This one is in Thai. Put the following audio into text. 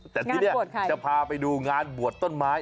แต่ที่นี่จะพาไปดูงานบวชต้นไม้